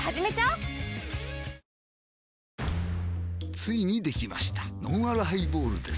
ついにできましたのんあるハイボールです